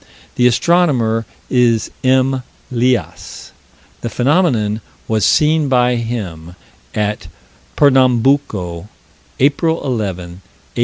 The astronomer is M. Lias: the phenomenon was seen by him, at Pernambuco, April 11, 1860.